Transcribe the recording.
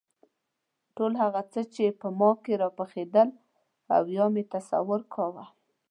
ټول هغه څه چې په ما کې راپخېدل او یا مې تصور کاوه.